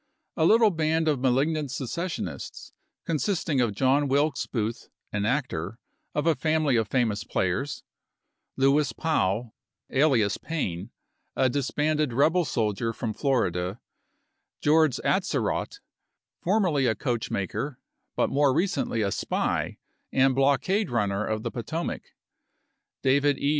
A little band of malig nant secessionists, consisting of John Wilkes Booth, an actor, of a family of famous players, Lewis Powell, alias Payne, a disbanded rebel soldier from Florida, George Atzerodt, formerly a coachmaker, but more recently a spy and blockade runner of the Potomac, David E.